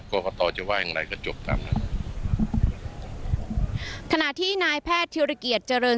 กรกตจะว่าอย่างไรก็จบตามนั้นขณะที่นายแพทย์ธิรเกียจเจริญ